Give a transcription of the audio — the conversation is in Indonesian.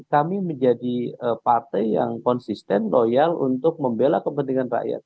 kami menjadi partai yang konsisten loyal untuk membela kepentingan rakyat